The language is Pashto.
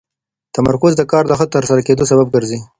تمرکز د کار د ښه ترسره کېدو سبب ګرځي.